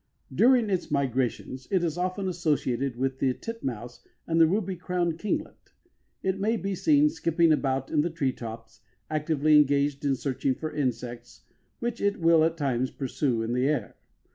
During its migrations it is often associated with the titmouse and the ruby crowned kinglet. It may be seen skipping about in the tree tops, actively engaged in searching for insects, which it will at times pursue in the air.